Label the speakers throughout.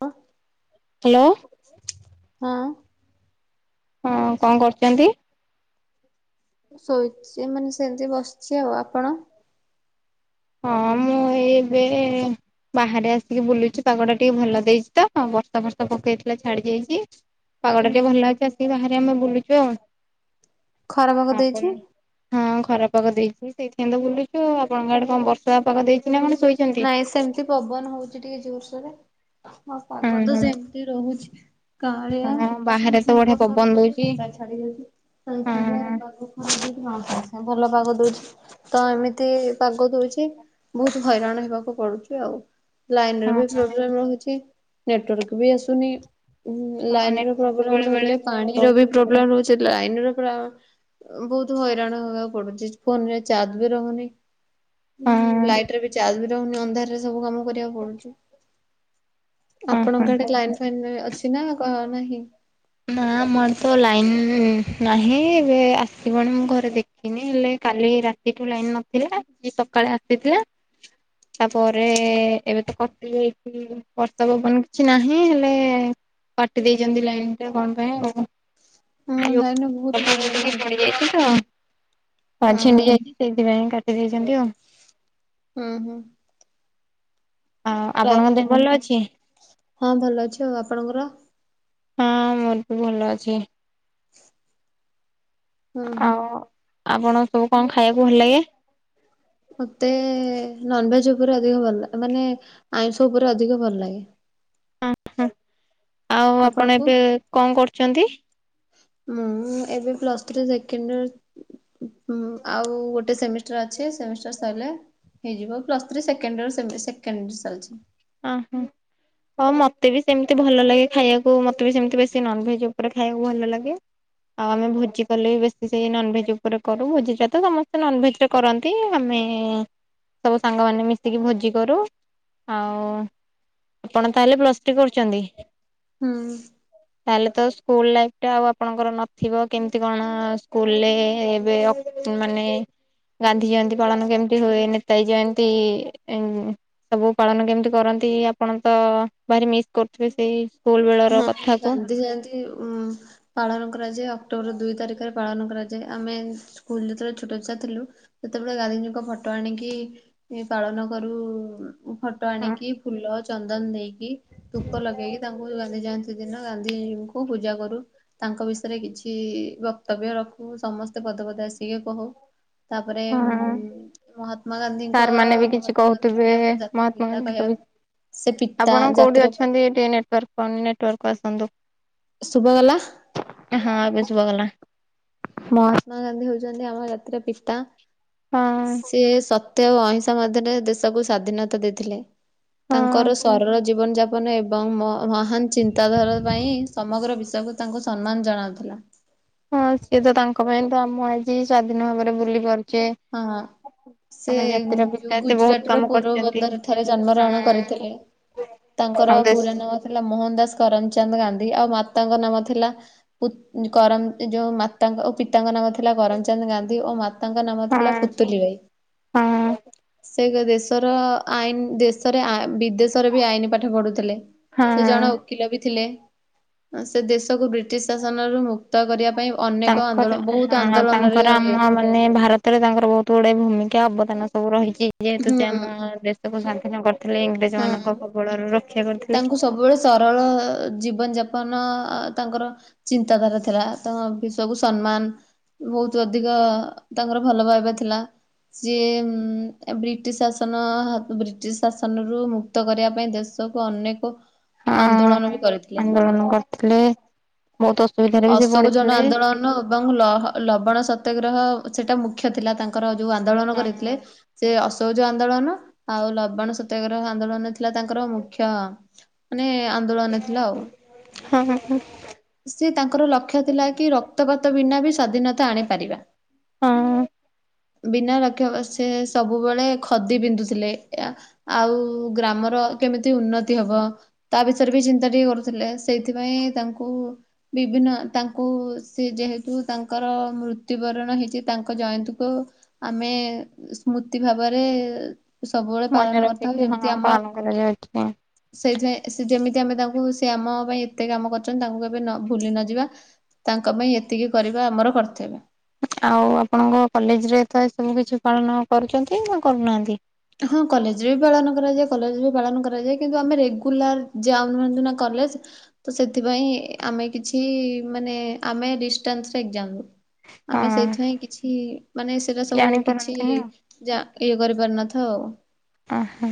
Speaker 1: ହଁ
Speaker 2: ହ୍ୟାଲୋ
Speaker 1: ହଁ।
Speaker 2: ହଁ କଣ କରୁଚନ୍ତି?
Speaker 1: ଶୋଇଛି ମାନେ ସେମିତି ବସିଛି ଆଉ ଆପଣ?
Speaker 2: ହଁ ମୁଁ ଏବେ ବାହାରେ ଆସିକି ବୁଲୁଚୁ ପାଗ ଟା ଟିକେ ଭଲ ଦେଇଛି ତ ବର୍ଷା ବର୍ଷ ପକେଇଥିଲା ଛାଡି ଯାଇଚି। ପାଗଟା ଟିକେ ଭଲ ଅଛି ଆସିକି ବାହରେ ଆମେ ବୁଲୁଛୁ ଆଉ।
Speaker 1: ଖରା ପାଗ ଦେଇଛି।
Speaker 2: ଖରାପାଗ ଦେଇଛି ସେଇଥିପାଇଁ ତ ବୁଲୁଛୁ। ଆପଣଙ୍କ ଆଡେ କଣ ବର୍ଷା ପାଗ ଦେଇଛି? ନା କଣ ଶୋଇଛନ୍ତି?
Speaker 1: ନାଇଁ ସେମିତି ପବନ ହଉଛି ଟିକେ ଜୋର୍ସୋ ରେ। ହଁ ପାଗ ତ ସେମିତି ରହୁଛି। କାଳିଆ
Speaker 2: ହଁ
Speaker 1: ସାଙ୍ଗେ
Speaker 2: ବାହାରେ ତ
Speaker 1: ସାଙ୍ଗେ
Speaker 2: ବଢିଆ
Speaker 1: ବର୍ଷା
Speaker 2: ପବନ
Speaker 1: ପକଉଛି
Speaker 2: ଦଉଛି
Speaker 1: ସାଙ୍ଗ ସାଙ୍ଗେ ଛାଡି ଯାଉଛି ସାଙ୍ଗେ
Speaker 2: ହଁ
Speaker 1: ସାଙ୍ଗେ ପା ହଁ ଭଲ ପାଗ ଦଉଛି ତ ଏମିତି ପାଗ ଦଉଛି ବହୁତ ହଇରାଣ ହେବାକୁ ପଡୁଛି ଆଉ ଲାଇନ ର ବି
Speaker 2: ହଁ
Speaker 1: ପ୍ରୋବ୍ଲେମ ରହୁଛି ନେଟୱାର୍କ ବି ଆସୁନି
Speaker 2: ହଁ
Speaker 1: ଲାଇନ ର
Speaker 2: ନେଟୱାର୍କ
Speaker 1: ପ୍ରୋବ୍ଲେମ
Speaker 2: ବେଳେ ବେଳେ
Speaker 1: ରହିଲେ
Speaker 2: ସ୍ଲୋ
Speaker 1: ପାଣିର
Speaker 2: ରହୁଛି
Speaker 1: ବି ପ୍ରୋବ୍ଲେମ ରହୁ ସେ ଲାଇନର ପରା ବହୁତ ହଇରାଣ ହବାକୁ ପଡୁଛି ଫୋନରେ ଚାର୍ଜ ବି ରହୁନି।
Speaker 2: ହଁ
Speaker 1: ଲାଇଟ ରେ ବି ଚାର୍ଜ ବି ରହୁନି ଅନ୍ଧାରରେ ସବୁ କାମ କରିବାକୁ ପଡୁଛି।
Speaker 2: ହଁ ହଁ
Speaker 1: ଆପଣଙ୍କ ଆଡେ ଲାଇନ୍ ଫାଇନ୍ ଅଛି ନା ନାହିଁ?
Speaker 2: ନା ଆମ ଆଡେ ତ ଲାଇନ ନାହିଁ ଏବେ ଆସିବଣୀ ମୁଁ ଘରେ ଦେଖିନି ହେଲେ କାଲି ରାତିଠୁ ଲାଇନ ନଥିଲା। [unintelligible] ସକାଳେ ଆସିଥିଲା ତାପରେ ଏବେ ତ କଟି ଯାଇଛି ବର୍ଷା ପବନ କିଛି ନାହିଁ ହେଲେ କାଟି ଦେଇଛନ୍ତି ଲାଇନ ଟା କଣ ପାଇଁ ଆଉ।
Speaker 1: ହଁ
Speaker 2: ଯିଓ
Speaker 1: ଲାଇନ ର ବହୁତ
Speaker 2: ତମର
Speaker 1: ପ୍ରୋବ୍ଲେମ
Speaker 2: ଟିକେ
Speaker 1: ହଉଛି
Speaker 2: ପଡି ଯାଇଛି ତ ତା
Speaker 1: ହଁ
Speaker 2: ଛିଣ୍ଡିଯାଇଛି ସେଇଥିପାଇଁ କାଟିଦେଇଛ
Speaker 1: ହୁଁ ହୁଁ।
Speaker 2: ଆଉ
Speaker 1: ଲାଇନ୍
Speaker 2: ଆପଣଙ୍କ ଦେହ ଭଲ ଅଛି?
Speaker 1: ଆଇଲା। ହଁ ଭଲ ଅଛି ଆଉ ଆପଣଙ୍କର?
Speaker 2: ହଁ ମୋର ବି ଭଲ ଅଛି।
Speaker 1: ହୁଁ ହୁଁ।
Speaker 2: ଆଉ ଆପଣ ସବୁ କଣ ଖାଇବାକୁ ଭଲ ଲାଗେ?
Speaker 1: ମତେ ନନ୍ଭେଜ୍ ଯୋ ଉପରେ ଅଧିକ ଭଲ। ମାନେ ଆଇଁଷ ଉପରେ ଅଧିକ ଭଲ ଲାଗେ।
Speaker 2: ଅହଁ ଆଉ ଆପଣ
Speaker 1: ଆପଣଙ୍କୁ?
Speaker 2: ଏବେ କଣ କରୁଛନ୍ତି?
Speaker 1: ମୁଁ ଏବେ ପ୍ଲସ ଥ୍ରି ସେକେଣ୍ଡ ଇଅର ଉ ହ ଆଉ ଗୋଟେ ସେମିସ ଷ୍ଟ୍ରା ଅଛି। ସେମିଷ୍ଟାର ସରିଲେ ହେଇଯିବ। ପ୍ଲସ ଥ୍ରି ସେକେଣ୍ଡ ଇୟର ସେମି ସେକେଣ୍ଡ ଇୟର ଚାଲିଛି।
Speaker 2: ଆଁ ହଁ। ହଁ ମତେ ବି ସେମିତି ଭଲ ଲାଗେ ଖାଇବାକୁ ମତେ ବି ସେମିତି ବେଶୀ ନନଭେଜ ଉପରେ ଖାଇବାକୁ ଭଲ ଲାଗେ। ଆଉ ଆମେ ଭୋଜି କଲେ ବି ବେଶୀ ସେଇ ନନଭେଜ ଉପରେ କରୁ ଭୋଜି ଟା ତ ସମସ୍ତେ ନନଭେଜ ରେ କରନ୍ତି ଆମେ ଏଁ ସବୁ ସାଙ୍ଗ ମାନ ମିଶିକି ଭୋଜି କରୁ। ଆଉ ଆପଣ ତାହେଲେ ପ୍ଲସ ଥ୍ରି କରୁଛନ୍ତି?
Speaker 1: ହୁଁ।
Speaker 2: ତାହେଲେ ତ ସ୍କୁଲ ଲାଇଫ ଟା ଆଉ ଆପଣଙ୍କର ନଥିବ କେମିତି କଣ ସ୍କୁଲରେ ଏବେ ଅପ୍ ମାନେ ଗାନ୍ଧୀ ଜୟନ୍ତୀ ପାଳନ କେମିତି ହୁଏ? ନେତାଜୀ ଜୟନ୍ତୀ ସବୁ ପାଳନ କେମିତି କରନ୍ତି? ଆପଣ ତ ଭାରି ମିସ୍ କରୁଥିବେ ସେଇ ସ୍କୁଲ ବେଳର
Speaker 1: ହଁ
Speaker 2: କଥାକୁ।
Speaker 1: ଗାନ୍ଧୀ ଜୟନ୍ତୀ ଉ ପାଳନ କରାଯାଏ ଅ ଅକ୍ଟୋବର ଦୁଇ ତାରିଖରେ ପାଳନ କରାଯାଏ। ଆମେ ସ୍କୁଲ ଯେତେବେଳେ ଛୋଟ ଛୁଆ ଥିଲୁ ସେତେବେଳେ ଗାନ୍ଧୀଜୀଙ୍କ ଫଟୋ ଆଣିକି ଇ ପାଳନ କରୁ ଫୋଟୋ ଆଣିକି ଫୁଲ ଚନ୍ଦନ ଦେଇକି ଧୁପ ଲଗେଇକି ତାଙ୍କୁ ଗାନ୍ଧି ଜୟନ୍ତୀ ଦି ଦିନ ଗାନ୍ଧୀଜିଙ୍କୁ ପୂଜା କରୁ ତାଙ୍କ ବିଷୟରେ କିଛି ବକ୍ତବ୍ୟ ରଖୁ ସମସ୍ତେ ପଦ ଦା ସିଏ କହୁ। ତାପରେ ଉମ
Speaker 2: ହଁ
Speaker 1: ମହାତ୍ମା ଗାନ୍ଧୀଙ୍କ
Speaker 2: ସାର୍ ମାନେ ବି କିଛି
Speaker 1: ମହାତ୍ମା ଗାନ୍ଧୀ
Speaker 2: କହୁଥିବେ
Speaker 1: ଥିଲେ ଆମର ଜାତିର
Speaker 2: ମହାତ୍ମା
Speaker 1: ପିତା
Speaker 2: ଗାନ୍ଧୀଙ୍କ
Speaker 1: କହିବା
Speaker 2: ବି ଆପଣ କୋଉଠି ଅଛନ୍ତି ଏ ଟିକେ ନେଟୱାର୍କ ପାଉନି ନେଟୱାର୍କ କୁ ଆସନ୍ତୁ।
Speaker 1: ଶୁଭାଗଲା?
Speaker 2: ହଁ ଏବେ ଶୁଭାଗଲା।
Speaker 1: ମହାତ୍ମା ଗାନ୍ଧୀ ହଉଛନ୍ତି ଆମ ଜାତିର ପିତା
Speaker 2: ହଁ
Speaker 1: ସିଏ ସ ତ୍ୟ ଓ ଅହିଂସା ମଧ୍ୟରେ ଦେଶକୁ ସ୍ଵାଧୀନତା ଦେଇଥିଲେ।
Speaker 2: ହଁ
Speaker 1: ତାଙ୍କର ସରଳ ଜୀବନ ଯାପ ବନ ଏବଂ ମ ମହାନ ଚିନ୍ତାଧାରା ପାଇଁ ସମଗ୍ର ବିଶ୍ଵକୁ ତାଙ୍କୁ ସମ୍ମାନ ଜଣାଉଥିଲା।
Speaker 2: ହଁ ସିଏ ତ ତାଙ୍କ ପାଇଁ ତ ଆମ ଆଜି ସ୍ଵାଧୀନ ଭାବରେ ବୁଲି ପାରୁ
Speaker 1: ହଁ। ସେ
Speaker 2: ଜାତିର
Speaker 1: ଯଉ
Speaker 2: ବିକାଶେ ବହୁତ
Speaker 1: ଗୁଜୁରାଟର
Speaker 2: କାମ କରିଛନ୍ତି।
Speaker 1: ପୋରବନ୍ଦର ଠାରେ ଜନ୍ମ ଗ୍ରହଣ
Speaker 2: ହଁ
Speaker 1: କରିଥିଲେ। ତାଙ୍କର
Speaker 2: ଆମ ଦେଶ
Speaker 1: ପୁରା ନାମ ଥିଲା ମୋହନ ଦାସ କରମଚାନ୍ଦ ଗାନ୍ଧୀ ଆଉ ମାତାଙ୍କ ନାମ ଥିଲା ଉ କରମ ଯୋଉ ମାତାଙ୍କ ପିତାଙ୍କ ନା ଥିଲା କରମଚନ୍ଦ ଗାନ୍ଧୀ ଓ ମାତାଙ୍କ ନାମ ଥିଲା
Speaker 2: ହଁ
Speaker 1: ପୁତୁଲି ବାଇ।
Speaker 2: ହଁ
Speaker 1: ସେ ଦେଶର ଆଇନ ଦେଶରେ ଆ ବି ବିଦେଶରେ ବି ଆଇନ ପାଠ ପଢୁଥିଲେ ସେ ଜଣେ
Speaker 2: ହଁ।
Speaker 1: ଓକିଲ ବି ଥିଲେ ସେ ଦେଶକୁ ବି ଶ ଶାସନରୁ ମୁକ୍ତ କରିବା ପାଇଁ ଅନେକ ଆନ୍ଦୋଳନ
Speaker 2: ତାଙ୍କର
Speaker 1: ବହୁତ
Speaker 2: ହଁ
Speaker 1: ଆନ୍ଦୋଳନରେ
Speaker 2: ତାଙ୍କର ଆମ ମାନେ ଭାରତରେ ତାଙ୍କର ବହୁ ତ ଗୁଡେ ଭୂମିକା ଅବଦାନ ସବୁ ରହିଛି ଯେହେତୁ
Speaker 1: ହୁଁ
Speaker 2: ସେ ଆମ ଦେଶକୁ ସ୍ୱାଧୀନ କ ରିଥିଲେ
Speaker 1: ହଁ
Speaker 2: ଇଂରେଜମାନଙ୍କ କବଳରୁ ର
Speaker 1: ତାଙ୍କୁ ସବୁବେଳେ ସରଳ ଜୀବନ ଯାପ ନ କଣ ତାଙ୍କର ଚିନ୍ତାଧାରା ଥିଲା ତ ବି ସବୁ ସମ୍ମାନ। ବହୁତ ଅଧିକ ତାଙ୍କର ଭଲ ପାଇବା ଥିଲା। ସିଏ ଉମ ବ୍ରିଟିଶ ଶାସନ ବ୍ରିଟିଶ ଶାସନରୁୁ ମୁକ୍ତ କରିବା ପାଇଁ ଦେଶ କୁ ଅନେକ ଆନ୍ଦୋଳନ
Speaker 2: ହଁ
Speaker 1: ବି କରିଥିଲେ।
Speaker 2: ଆନ୍ଦୋଳନ କରିଥିଲେ ବହୁତ ଅସୁବିଧାରେ ବି ସେ
Speaker 1: ଅଶୋକ ଜନ
Speaker 2: ପଡିଥିଲେ।
Speaker 1: ଆନ୍ଦୋଳନ ଏବଂ ଲ ଲବଣ ସତ୍ୟାଗ୍ରହ ସେଟା ମୁଖ୍ୟ ଥିଲା ତାଙ୍କର ଯୋଉ ଆନ୍ଦୋଳନ କରିଥିଲେ
Speaker 2: ହଁ
Speaker 1: ସେ ଅ ଉ ଆନ୍ଦୋଳନ ଆଉ ଲବଣ ସତ୍ୟାଗ୍ରହ ଆନ୍ଦୋଳନ ଥିଲା ତାଙ୍କର ମୁଖ୍ୟ ମାନେ ଆନ୍ଦୋଳନ ଥିଲା ଆଉ
Speaker 2: ହଁ
Speaker 1: ସେ ତାଙ୍କର ଲକ୍ଷ୍ୟ ଥିଲା କି ର ଗତ ବିନା ବି ସ୍ୱାଧୀନତା ଆଣିପାରିବା।
Speaker 2: ହଁ
Speaker 1: ବିନା ଲକ୍ଷ ସେ ସବୁବେଳେ ଖଦି ପିନ୍ଧୁଥିଲେ ଏ ଆଉ ଗ୍ରାମର କେମ ତି ଉନ୍ନତି ହବ ତା ବିଷୟରେ ବି ଚିନ୍ତା ଟିକେ କରୁଥିଲେ ସେଇଥିପାଇଁ ତାଙ୍କୁ ବିଭିନ୍ନ ତାଙ୍କୁ ସେ ଯେହେତୁ ତାଙ୍କର ମୃତ୍ୟୁବରଣ ହେଇଛି ତାଙ୍କ ଜୟନ୍ତୀକୁ ଆମେ ଆମେ ସ୍ମୃତି ଭାବରେ ସବୁବେଳେ
Speaker 2: ମନେ
Speaker 1: ପାଳନ କରିଥାଉ
Speaker 2: ରଖିକି ହଁ
Speaker 1: ଯେମିତି ଆମ
Speaker 2: ପାଳନ କରାଯାଉଛି।
Speaker 1: ସେଯେ ସେ ଯେମିତି ଆମେ ତାଙ୍କୁ ସେ ଆମ ପାଇଁ ଏତେ କାମ କରଛନ୍ତି ତାଙ୍କୁ କେବେ ଭୁଲି ନ ଯିବା ତାଙ୍କ ପାଇଁ ଏତିକି କର ଆମର କର୍ତ୍ତବ୍ୟ।
Speaker 2: ଆଉ ଆପଣଙ୍କ କଲେଜ ରେ ତ ଏ ସବୁ କିଛି ପାଳନ କରୁଛନ୍ତି ନା କରୁନାହାନ୍ତି?
Speaker 1: ହଁ କଲେଜରେ ବି ପାଳନ କରାଯାଏ କଲେଜରେ ବି ପାଳନ କରାଯାଏ କିନ୍ତୁ ଆମେ ରେଗୁଲାର ଯାଉ ନାହାନ୍ତି ନା କଲ ଜ ସେଥିପାଇଁ ଆମେ କିଛି ମାନେ ଆମେ ଡିଷ୍ଟାନ୍ସ୍ ରେ ଏକ୍ଜାମ୍ ଦଉ। ଆମେ
Speaker 2: ହଁ
Speaker 1: ସେଇଥିପାଇଁ କିଛି ମାନେ ସେଇଟା ସବୁ କିଛି
Speaker 2: ଜାଣିପାରନ୍ତିନି
Speaker 1: ଯା ଇଏ କରିପାରିନଥୁ ଉ।
Speaker 2: ଓ ହୋ।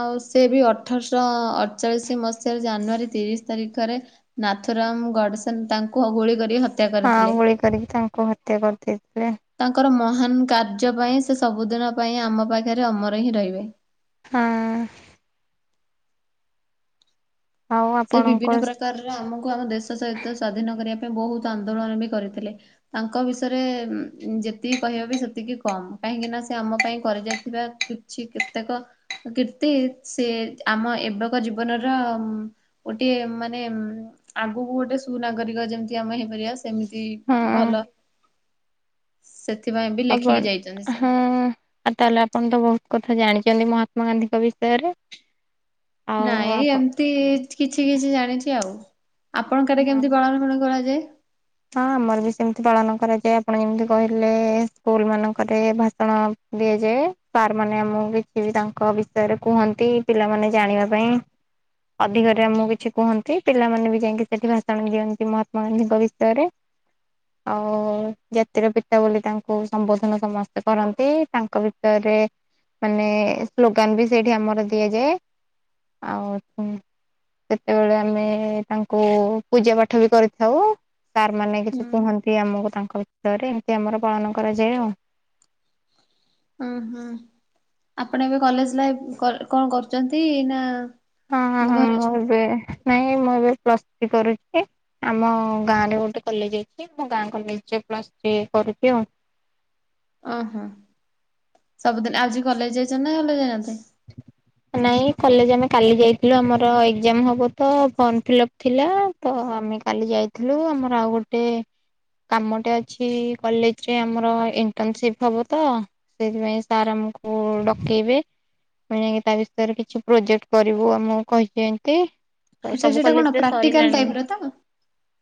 Speaker 1: ଆଉ ସେ ବି ଅଠରଶହ ଅଠଚାଳିଶି ମସିହାରେ ଜାନୁଆରୀ ତିରିଶ ତାରିଖରେ ନା ନାଥୁରାମ ଗଡ଼ସେନ ତାଙ୍କୁ ହ ଗୁଳି କରି ହ
Speaker 2: ହଁ ଗୁଳି କରିକି ତାଙ୍କୁ ହତ୍ୟା କରିଦେଇଥିଲେ।
Speaker 1: ତାଙ୍କର ମହାନ କାର୍ଯ୍ୟ ପାଇଁ ସେ ସବୁଦିନ ପାଇଁ ଆମ ପାଖରେ ଅମର ହିଁ ରହିବେ।
Speaker 2: ହଁ। ଆଉ
Speaker 1: ସେ
Speaker 2: ଆପଣଙ୍କ
Speaker 1: ବିଭିନ୍ନ ପ୍ରକାରର ଆମକୁ ଆମ ଦେଶ ସହିତ ସ୍ଵାଧୀନ କରିବା ବହୁତ ଆନ୍ଦୋଳନ ବି କରିଥିଲେ ତାଙ୍କ ବିଷୟରେ ଯେତିକି କହିବ ବି ସେତିକି କମ କାହିଁକି ନା ସେ ଆମ ପାଇଁ କରି ଯାଇଥିବା କିଛି କେତେକ କୀର୍ତ୍ତି ସେ ଆମ ଏବେକ ଜୀବନର ଗୋଟେ ମାନେ ଆଗକୁ ଗୋଟେ ସୁନାଗରିକ ଯେମିତି ଆମେ ହେଇପାରିବା ସେମିତି
Speaker 2: ହଁ
Speaker 1: ଭଲ ସେ ସେଥିପାଇଁ ବି
Speaker 2: ଆଣ
Speaker 1: ଲେଖିକି ଯାଇଛନ୍ତି
Speaker 2: ହଁ ଆ ତାହଲେପଣ ତ ବହୁତ କଥା ଜାଣିଛନ୍ତି ମହାତ୍ମା ଗାନ୍ଧୀଙ୍କ ବିଷୟରେ ଆଉ
Speaker 1: ନାଇଁ
Speaker 2: ଆପଣ
Speaker 1: ଏମିତି କିଛି କିଛି ଜାଣିଛି ଆଉ ଆପଣଙ୍କଟରେ
Speaker 2: ହଁ
Speaker 1: କେମିତି ପାଳଣ କରାଯାଏ?
Speaker 2: ହଁ ଆମର ବି ସେମିତି ପାଳନ କରାଯାଏ ଆପଣ ଯେମିତି କହିଲେ ସ୍କୁଲ ମାନଙ୍କରେ ଭାଷଣ ଦିଆଯାଏ ସାର୍ ମାନେ ଆମକୁ କିଛି ତାଙ୍କ ବିଷୟରେ କୁହନ୍ତି ପିଲାମାନେ ଜାଣିବା ପାଇଁ ଅଧିକରେମକୁ କିଛି କୁହନ୍ତି ପିଲାମାନେ ବି ଯାଇଁକି ସେଠି ଭାଷଣ ଦିଅନ୍ତି ମହାତ୍ମା ଗାନ୍ଧୀଙ୍କ ବି ସରେ ଆଉ ଜାତିର ପିତା ବୋଲି ତାଙ୍କୁ ସମ୍ବୋଧନ ସମସ୍ତେ କରନ୍ତି ତାଙ୍କ ଭିତରେ ମାନେ ସ୍ଲୋଗାନ ବି ସେଇଠି ଆମର ଦିଆଯାଏ। ଆଉ ହ ସେତେବେଳେ ଆମେ ତାଙ୍କୁ ପୂଜା ପାଠ ବି କରିଥାଉ। ସାର୍ ମାନେ କିଛି
Speaker 1: ହୁଁ
Speaker 2: କୁହନ୍ତି ଆମକୁ ତାଙ୍କ କତ୍ରରେ ଏମିତି ଆମର ପାଳନ କରାଯାଏ ଆଉ।
Speaker 1: ହଁ ହୁଁ ଆପଣ ଏବେ କଲେଜ ଲାଇଫ କଣ କରୁଛନ୍ତି ନା ଘରେ ଅଛନ୍ତି।
Speaker 2: ଏ ପ୍ଲସ ଥ୍ରୀ କରୁଛି ଆମ ଗାଁ ରେ ଗୋଟେ କଲେଜ ଅଛି ଆମ ଗାଁ କଲେଜ ପ୍ଲସ ଥ୍ରୀ। ଇଏ କରଛି ଆଉ।
Speaker 1: ହ ଓହୋ ସବୁଦିନ ଆଜି କଲେଜ ଯାଇଛ ନା କଲେ ଯାଇନାହାନ୍ତି।
Speaker 2: ନାଇଁ କଲେଜ ଆମେ କାଲି ଯାଇଥିଲୁ ଆମର ଏକ୍ଜାମ ହବ ତ ଫର୍ମ ଫିଲ୍ଅପ ଥିଲା ତ। ଆମେ କାଲି ଯାଇଥିଲୁ ଆମର ଆଉ ଗୋଟେ କାମଟେ ଅଛି କଲେଜରେ ଆମର ଇଣ୍ଟରନସିପ ହବ ତ ସେଥିପାଇଁ ସାରତ ଆମକୁ ଡକେଇବେ ମାନେ ତା ବିଷୟରେ କିଛି ପ୍ରୋଜେକ୍ଟ କରିବୁ ଆମକୁ କହିଛି ଏମିତି
Speaker 1: ସେଟା
Speaker 2: ସବୁ
Speaker 1: ସେଟା କଣ
Speaker 2: କଲେଜରେ
Speaker 1: ପ୍ରାକ୍ଟିକାଲ
Speaker 2: ସରିଲାଣି।
Speaker 1: ଟାଇପ ର ତ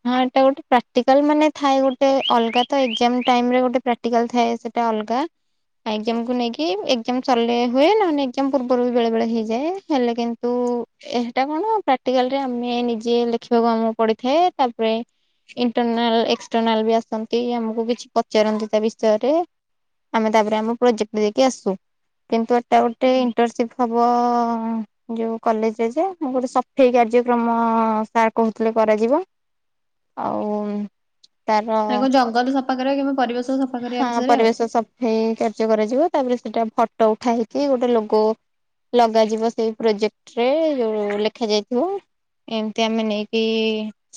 Speaker 2: ହଁ ଏଇଟା ଗୋଟେ ପ୍ରାକ୍ଟିକାଲ ମାନେ ଥାଏ ଗୋଟେ ଅଲଗା ତ ଏକ୍ସଜାମ ଟାଇମ୍ ରେ ଗୋଟେ ପ୍ରାକ୍ଟିକାଲ ଥାଏ ସେଇଟା। ଉଲକା ଏକ୍ସଜାମ କୁ ନେଇକି ଏକ୍ସଜାମ ସାରିଲେ ହୁଏ ଏକ୍ସଜାମ ପୂର୍ବ ବି ବେଳେ ବେଳେ ହେଇଯାଏ ହେଲେ କିନ୍ତୁ ଏଟା କଣ ପ୍ରାକ୍ଟିକାଲ ରେ ଆମେ ନିଜେ ଲେଖିବାକୁ ମୁ ପଡିଥାଏ ତାପରେ ଇଣ୍ଟରନାଲ ଏକ୍ସଟର୍ନାଲ ବି ଆସନ୍ତି ଆମକୁ କିଛି ପଚାରନ୍ତି ତା ବିଷୟରେ। ଆମେ ତାପରେ ଆମ ପ୍ରୋଜେକ୍ଟ ଦେଇକି ଆସୁ କିନ୍ତୁ ଏଟା ଗୋଟେ ପ୍ଟର ସିପ୍ଟ ହବ ଯୋଉ କଲେଜରେ ଯେ ଗୋଟେ ସଫେଇ କାର୍ଯ୍ୟକ୍ରମ ସାଟ କହୁଥିଲେ କରାଯିବ ଆଉ ତାର
Speaker 1: ମାନେ କଣ ଜଙ୍ଗଲରେ ସଫା କରିବା କେବେ ପରିବେଶ। ସଫା କରିବା
Speaker 2: ହଁ
Speaker 1: ବିଷୟରେ ଆଉ
Speaker 2: ପରିବେଶ ସଫେଇ କାର୍ଯ୍ୟ କରାଯିବ। ତାପରେ ସେଟା ଫୋଟୋ ଉଠା ହେଇକି ଗୋଟେ ଲୋଗ ଲଗାଯିବ ସେଇ ପ୍ରୋଜେକ୍ଟ ରେ ଯୋଉ ଲେଖା ଯାଇଥିବ। ଏମିତି ଆମେ ନେଇକି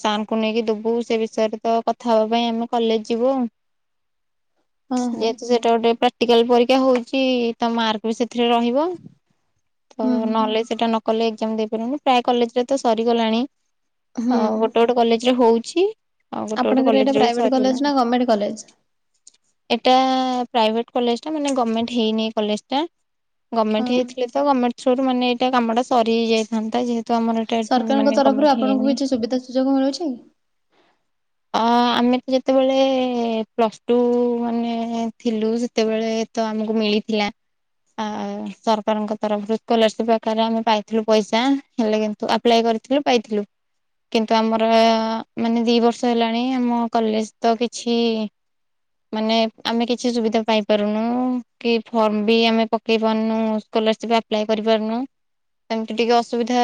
Speaker 2: ସାରଙ୍କୁ ନେଇକି ଦବୁ ସେ ବିଷୟରେ ତ କଥା ହବା ପାଇଁ ଆମେ କଲେଜ ଥିବୁ।
Speaker 1: ହଁ ହଁ
Speaker 2: ଯେହେତୁ ସେଇଟା ଗୋଟେ ପ୍ରା ପ୍ରାକ୍ଟିକାଲ ପରୀକ୍ଷା ହଉଛି ତା ମାର୍କ ବି ସେଥିରେ ରହିବ ତ
Speaker 1: ହୁଁ ହୁଁ।
Speaker 2: ନହେଲେ ସେଇଟା ନ କଲେ ଏକ୍ଜାମ ଦେଇପାରିଲିନି ପ୍ରାୟ କଲେଜରେ ତ ସରିଗଲାଣି ଆ
Speaker 1: ହୁଁ
Speaker 2: ଗୋଟେ ଗୋଟେ କଲେଜରେ ହଉଛି। ଆଉ ଗୋଟେ ଗୋଟେ
Speaker 1: ଆପଣଙ୍କର ଏଇଟା
Speaker 2: କଲେଜରେ ବି
Speaker 1: ପ୍ରାଇଭେଟ କଲେଜ ନା
Speaker 2: ସାରିଗଲାନି।
Speaker 1: Government college?
Speaker 2: ଏଟା ପ୍ରାଇଭେଟ କଲେଜ ଟା ମାନେ ଗଭର୍ଣମେଣ୍ଟ ହେଇନି କଲେଜ ଟା। ଗମେଣ୍ଟ
Speaker 1: ଓହୋ
Speaker 2: ହେଇଥିଲେ ତ ଗମେଣ୍ଟ ଥ୍ରୋରୁ ମାନେ ଏଇଟା କାମ ଟା ସରି ହେଇ ଯାଇଥାନ୍ତା ଯେହେତୁ ତ ଆମର ଏଇଟା
Speaker 1: ସରକାରଙ୍କ
Speaker 2: ମାନେ
Speaker 1: ତରଫରୁ
Speaker 2: ଗମେଣ୍ଟ
Speaker 1: ଆପଣଙ୍କୁ
Speaker 2: ହେଇନି।
Speaker 1: କିଛି ସୁବିଧା ସୁଯୋଗ ମିଳୁଛି?
Speaker 2: ଆ ଆମେ ତ ଯେତେବେଳେ ପ୍ଲସ୍ ଟୁ ମାନେ ଥିଲୁ ସେତେବେଳେ ତ ଆମକୁ ମିଳିଥିଲା। ଆ ସରକାରଙ୍କ ତରଫରୁ ସ୍କୋଲାସିପ ଆକାରରେ ଆମେ ପାଇଥିଲୁ ପଇସା ହେଲେ କିୁ ଆପ୍ଲାଏ କରିଥିଲୁ ପାଇଥିଲୁ। କିନ୍ତୁ ଆମର ମାନେ ଦି ବର୍ଷ ହେଲାଣି ଆମ କଲେଜ ତ କିଛି ମାନେ ଆମେ କିଛି ସୁବିଧା ପାଇପାରୁନୁ । କି ଫର୍ମ ବି ଆମେ ପକେଇ ପାରୁନୁ। ସ୍କୋଲାର ଆପ୍ଲାଏ କରିପାରୁନୁ। ସେମିତି ଟିକେ ଅସୁବିଧା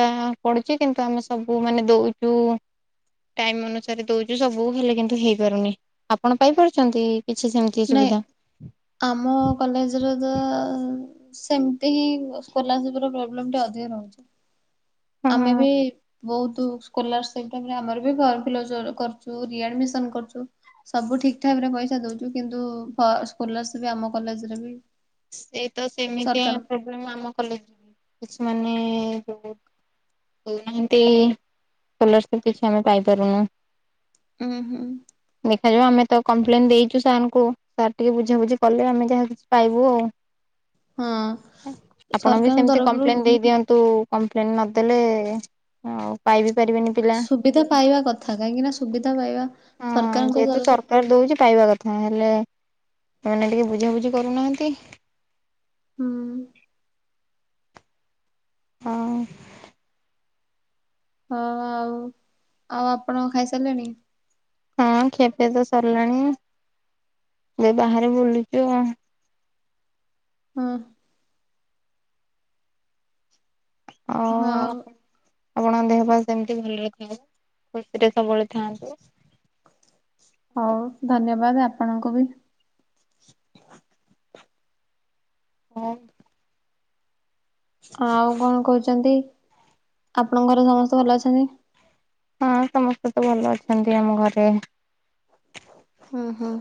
Speaker 2: ପଡୁଛି କିନ୍ତୁ ଆମେ ସବୁ ମାନେ ଦଉଛୁ। ଟାଇମ୍ ଅନୁସାରେ ଦଉଛୁ, ସବୁ ହେଲେ କିନ୍ତୁ ହେଇପାରୁନି ଆପଣ ପାଇପାରୁଛନ୍ତି? କିଛି ସେମିତି
Speaker 1: ନାଇଁ
Speaker 2: ସୁବିଧା?
Speaker 1: ଆମ କଲେଜ ର ତ ସେମିତି ହିଁ ସ୍କୋଲାର ଶିପ୍ ପ୍ରୋବ୍ଲେମ୍ ଟା ଅଧିକ ରହୁଛି। ଆମେ
Speaker 2: ହଁ
Speaker 1: ବି ବହୁତ ସ୍କୋଲାର ସିପ ଆମର ବି ଫୁମି କରୁଛ ରେ ଆଡମିଶନ କରୁଚୁ ସବୁ ଠିକ୍ ଠାକ ରେ ପଇସା ଦଉଛୁ କିନ୍ତୁ ସ୍କୁଲାର ସିପ ଆମ କଲେଜ ରେ ବି
Speaker 2: ସେଇ ତ ସେମିତି
Speaker 1: ସରକାର
Speaker 2: ପ୍ରୋବେଲମ ଆମ କଲେ କିଛି ମାନେ ଦଉ ନାହାନ୍ତି ସ୍କୋଲାର୍ ସିପ କିଛି ଆମେ ପାଇପାରୁନୁ।
Speaker 1: ହୁଁ ହୁଁ।
Speaker 2: ଦେଖାଯାଉ ଆମେ ତ କମ୍ପ୍ଲେନ ଦେଇଛୁ ସାର୍ଙ୍କୁ ସାର୍ ଟିକେ ବୁଝାବୁଝି କଲେ ଆମେ ଯାହା କିଛି ପାଇବୁ ଆ
Speaker 1: ହଁ
Speaker 2: ଆପଣ ବି
Speaker 1: ସରକାରଙ୍କ
Speaker 2: ସେମିତି
Speaker 1: ତରଫରୁ
Speaker 2: କମ୍ପ୍ଲେନ ଦେଇଦିଅନ୍ତୁ। କମ୍ପ୍ଲେନ ନଦେଲେ ଆଉ ପାଇବେ ପାରିବେନି ପିଲା
Speaker 1: ସୁବିଧା ପାଇବା କଥା କାହିଁକି ନା ସୁବିଧା ପାଇବା ସରକାରଙ୍କ
Speaker 2: ଯେହେତୁ
Speaker 1: ତରଫ
Speaker 2: ସରକାର ଦଉଛି ପାଇ କଥା ହେଲେ ଏମାନେ ଟିକେ ବୁଝାବୁଝି କରୁନାହାନ୍ତି।
Speaker 1: ହୁଁ।
Speaker 2: ହଁ।
Speaker 1: ହଁ ଆଉ ଆଉ ଆପଣ ଖାଇସାରିଲେଣି?
Speaker 2: ହଁ ଖିଆପିଆ ତ ସରିଲାଣି ଏ ବାହାରେ ବୁଲୁଛୁ ଆଉ।
Speaker 1: ହଁ ହଁ।
Speaker 2: ଆଉ ଆପଣଙ୍କ ଦେହ ପା ସେମିତି ଭଲରେ ଥାଉ ଖୁସିରେ ସବୁବେଳେ ଥାଆନ୍ତୁ।
Speaker 1: ହଉ ଧନ୍ୟବାଦ ଆ ଆପଣଙ୍କୁବି।
Speaker 2: ହଁ।
Speaker 1: ଆଉ କଣ କହୁଛନ୍ତି ଆପଣଙ୍କ ଘରେ ସମସ୍ତେ ଭଲ ଅଛନ୍ତି?
Speaker 2: ହଁ ସମସ୍ତେ ତ ଭଲ ଅଛନ୍ତି ଆମ ଘରେ।
Speaker 1: ହଁ ହଁ।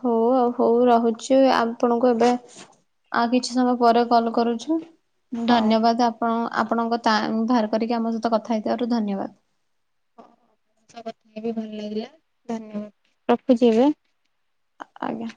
Speaker 1: ହଉ ଆଉ ହଉ ରହୁଛି ଆପଣଙ୍କୁ ଏବେ ଆଉ କିଛି ସମୟ ପରେ କଲ କରୁଛୁ।
Speaker 2: ହଉ।
Speaker 1: ଧନ୍ୟବାଦ ଆପଣ ଆପଣଙ୍କ ତା ବାହାର କରିକି ଆମ ସହିତ କଥା ହେଇଥିବାରୁ ଧନ୍ୟବାଦ।
Speaker 2: [unintelligible] ଭଲ ଲାଗିଲା ଧନ୍ୟବାଦ ରଖୁଛି ଏବେ?
Speaker 1: ଆଜ୍ଞା।